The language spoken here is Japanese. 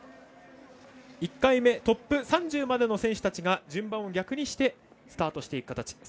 １回目トップ３０までの選手たちが順番を逆にしてスタートしていく形。